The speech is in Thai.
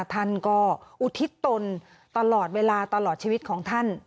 ท่านก็อุทิศตนตลอดเวลาตลอดชีวิตของท่าน